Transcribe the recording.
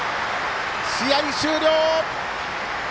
試合終了。